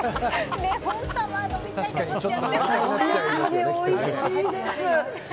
爽やかでおいしいです。